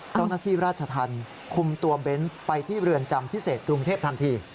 เจ้าหน้าที่ราชธรรมคุมตัวเบนส์ไปที่เรือนจำพิเศษกรุงเทพทันที